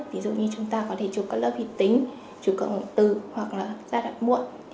ví dụ như chúng ta có thể chụp các lớp hịt tính chụp các ngọn từ hoặc là da đặt muộn